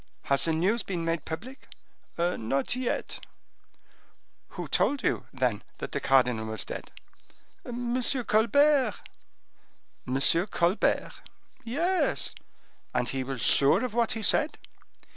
"Has the news been made public?" "Not yet." "Who told you, then, that the cardinal was dead?" "M. Colbert." "M. Colbert?" "Yes." "And he was sure of what he said?"